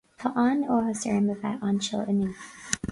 Tá an-áthas orm a bheith anseo inniu.